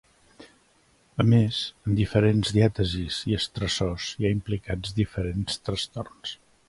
A més, en diferents diàtesis i estressors hi ha implicats diferents trastorns.